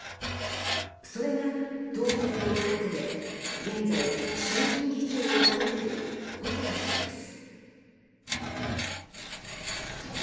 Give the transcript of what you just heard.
それが党籍を外れ現在、衆院議長を務める細田氏です。